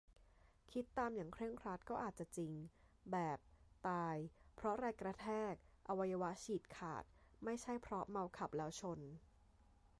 คิดตามอย่างเคร่งครัดก็อาจจะจริง แบบ ตายเพราะแรงกระแทก อวัยวะฉีดขาด ไม่ใช่เพราะเมาขับแล้วชน ?